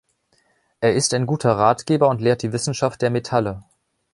Er ist ein guter Ratgeber und lehrt die Wissenschaft der Metalle.